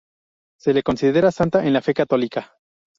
Se le considera santa en la fe católica.